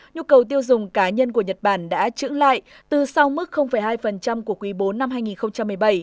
nhu cầu tiêu dùng cá nhân của nhật bản đã trứng lại từ sau mức hai của quý bốn năm hai nghìn một mươi bảy